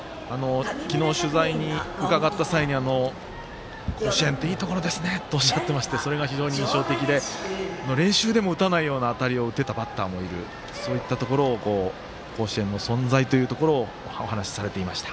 昨日、取材にうかがった際に甲子園っていいところですねとおっしゃっていましてそれが非常に印象的で練習でも打たないような当たりを打てたバッターもいるそういった甲子園の存在というところのお話をされていました。